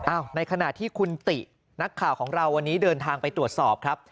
ในขณะที่คุณตินักข่าวของเราวันนี้เดินทางไปตรวจสอบครับ